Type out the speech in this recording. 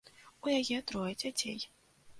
У яе трое дзяцей.